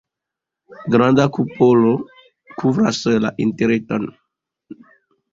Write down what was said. Granda kupolo kovras la internon.